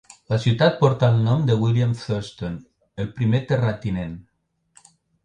La ciutat porta el nom de William Thurston, el primer terratinent.